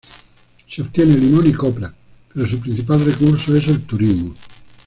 Se obtiene limón y copra, pero su principal recurso es el turismo.